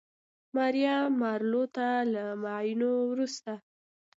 ماریا مارلو ته له معاینانو وروسته